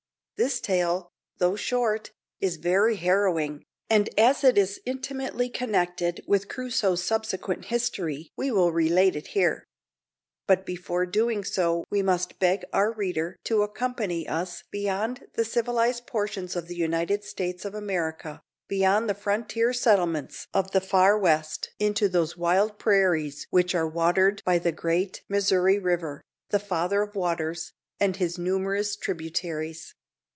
This tale, though short, is very harrowing, and as it is intimately connected with Crusoe's subsequent history we will relate it here. But before doing so we must beg our reader to accompany us beyond the civilized portions of the United States of America beyond the frontier settlements of the "far west," into those wild prairies which are watered by the great Missouri River the Father of Waters and his numerous tributaries.